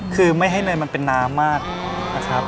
คือไม่ให้เนยมันเป็นน้ำมากนะครับ